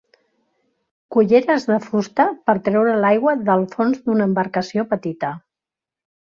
Culleres de fusta per a treure l'aigua del fons d'una embarcació petita.